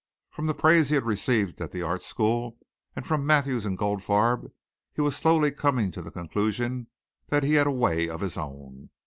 From the praise he had received at the art school and from Mathews and Goldfarb he was slowly coming to the conclusion that he had a way of his own.